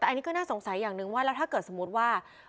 แต่อันนี้ก็น่าสงสัยอย่างหนึ่งว่าแล้วถ้าเกิดสมมุติว่า